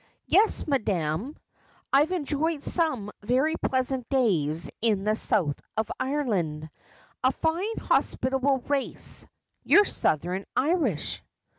' Yes, madam, I have enjoyed some very pleasant days in the south of Ireland. A fine hospitable race, your southern Irish.'